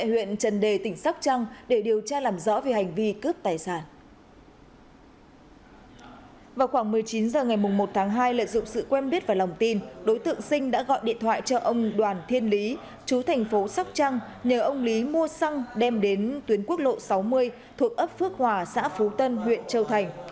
chín h ngày một tháng hai lợi dụng sự quen biết và lòng tin đối tượng sinh đã gọi điện thoại cho ông đoàn thiên lý chú thành phố sóc trăng nhờ ông lý mua xăng đem đến tuyến quốc lộ sáu mươi thuộc ấp phước hòa xã phú tân huyện châu thành